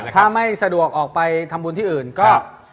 ถ้าไม่สะดวกออกไปทำบุญที่อื่นก็